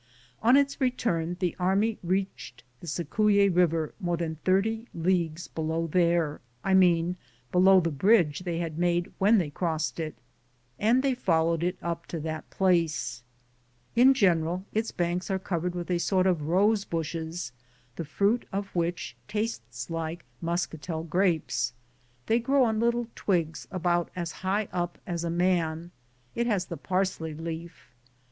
On its return the army reached the Cicuye river more than 30 leagues below there — I mean below the bridge they had made when they crossed it, and they followed it up to that place. In general, its banks are cov ered with a sort of rose bushes, the fruit of which tastes like muscatel grapes. They grow on little twigs about as high up as a man. It has the parsley leaf.